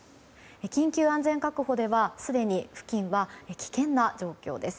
緊急安全確保ではすでに付近は危険な状況です。